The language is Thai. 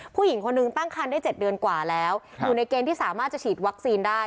ผู้หญิงคนนึงตั้งคันได้๗เดือนกว่าแล้วอยู่ในเกณฑ์ที่สามารถจะฉีดวัคซีนได้